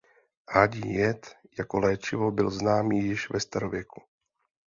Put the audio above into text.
Hadí jed jako léčivo byl známý již ve starověku.